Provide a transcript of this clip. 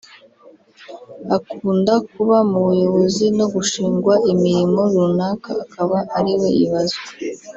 Akunda kuba mu buyobozi no gushingwa imirimo runaka akaba ariwe ibazwa